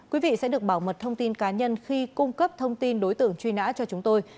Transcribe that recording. quý vị sẽ được bảo mật thông tin cá nhân khi cung cấp thông tin đối tượng truy nã cho chúng tôi